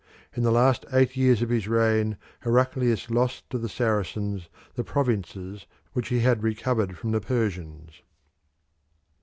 In the last eight years of his reign Heraclius lost to the Saracens the provinces which he had recovered from the Persians.